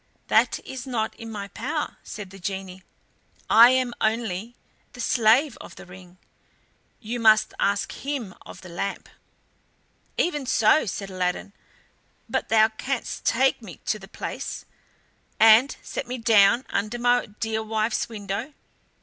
"That is not in my power," said the genie; "I am only the Slave of the Ring; you must ask him of the lamp." "Even so," said Aladdin, "but thou canst take me to the palace, and set me down under my dear wife's window."